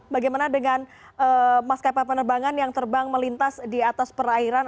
bagaimana dengan maskapai penerbangan yang terbang melintas di atas perairan